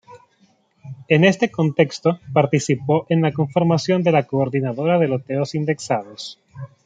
En este contexto, participó en la conformación de la Coordinadora de Loteos Indexados.